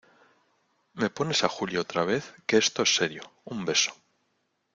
¿ me pones a Julia otra vez? que esto es serio. un beso .